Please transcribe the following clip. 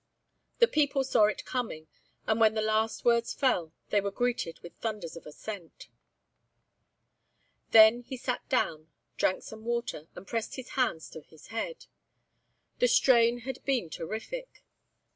The people saw it coming and when the last words fell, they were greeted with thunders of assent. Then he sat down, drank some water, and pressed his hands to his head. The strain had been terrific.